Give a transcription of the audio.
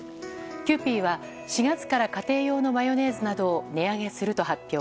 キユーピーは４月から家庭用のマヨネーズなどを値上げすると発表。